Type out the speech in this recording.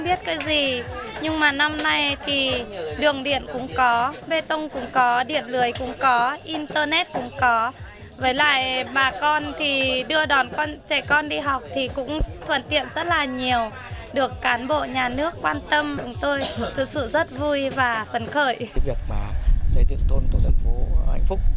việc xây dựng thôn tổ dân phố hạnh phúc